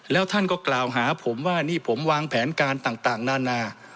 แล้วท่านก็กล่าวหาผมว่านี่ผมวางแผนการต่างนานา